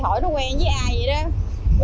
hỏi nó quen với ai vậy đó